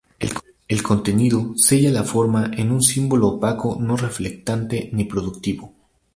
El contenido sella la forma en un símbolo opaco, no reflectante ni productivo".